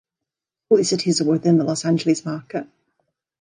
All these cities are within the Los Angeles market.